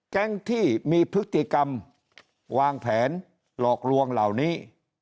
แก๊งที่มีพฤติกรรมวางแผนหลอกลวงเหล่านี้